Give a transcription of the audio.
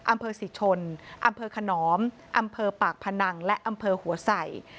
อำเภอศรีชนอำเภอขนอมอำเภอปากพนังและอำเภอหัวใส่